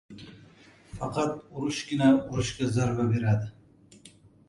• Faqat urushgina urushga zarba beradi.